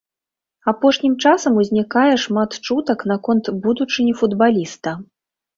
Апошнім часам узнікае шмат чутак наконт будучыні футбаліста.